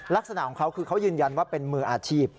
ลักษณะของเขาคือเขายืนยันว่าเป็นมืออาชีพ